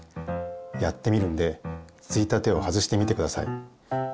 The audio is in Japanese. やってみるんでついたてを外してみてください。